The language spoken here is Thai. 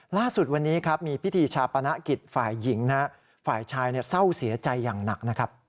ล่าสุดวันนี้มีพิธีชาปณะกิจฝ่ายหญิงฝ่ายชายเศร้าเสียใจอย่างหนัก